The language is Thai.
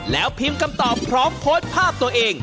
แล้วพิมพ์คำตอบพร้อมโพสต์ภาพตัวเอง